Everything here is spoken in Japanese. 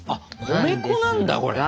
米粉なんだこれ。